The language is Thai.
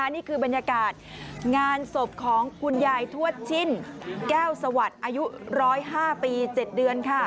นี่คือบรรยากาศงานศพของคุณยายทวดชิ่นแก้วสวัสดิ์อายุ๑๐๕ปี๗เดือนค่ะ